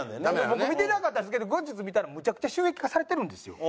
僕見てなかったんですけど後日見たらむちゃくちゃ収益化されてるんですよ。